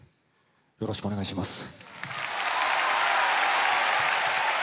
よろしくお願いします。